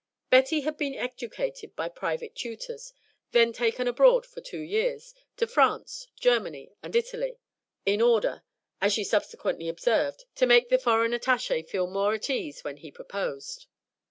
Betty had been educated by private tutors, then taken abroad for two years, to France, Germany, and Italy, in order, as she subsequently observed, to make the foreign attache. Feel more at ease when he proposed.